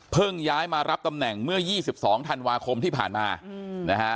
ย้ายมารับตำแหน่งเมื่อ๒๒ธันวาคมที่ผ่านมานะฮะ